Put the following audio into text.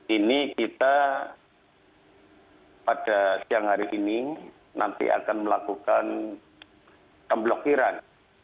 ini kita pada siang hari ini nanti akan melakukan pemblokiran